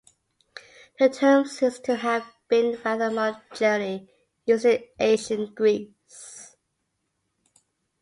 The term seems to have been rather more generally used in ancient Greece.